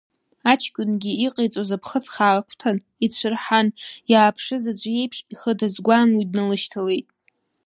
Аҷкәынгьы иҟаиҵоз, аԥхыӡ хаа агәҭан ицәырҳан иааԥшыз аӡә иеиԥш, ихы дазгәаан уи дналышьҭалеит.